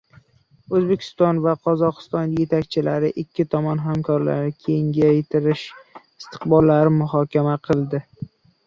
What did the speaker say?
O‘zbekiston va Qozog‘iston yetakchilari ikki tomonlama hamkorlikni kengaytirish istiqbollarini muhokama qildilar